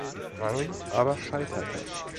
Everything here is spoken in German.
Rang aber scheiterte.